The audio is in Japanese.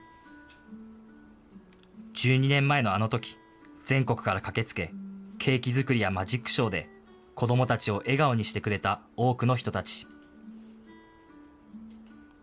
１２年前のあのとき、全国から駆けつけ、ケーキ作りやマジックショーで子どもたちを笑顔にしてくれた多くの人たち。